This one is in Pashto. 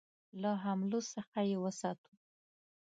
له حملو څخه یې وساتو.